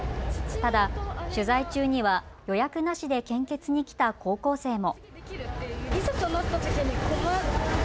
ただ取材中には予約なしで献血に来た高校生も。